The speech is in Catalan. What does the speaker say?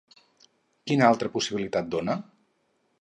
Quina altra possibilitat dona?